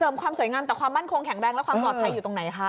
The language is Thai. ความสวยงามแต่ความมั่นคงแข็งแรงและความปลอดภัยอยู่ตรงไหนคะ